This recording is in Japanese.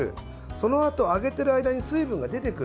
そのあと、揚げている間に水分が出てくる。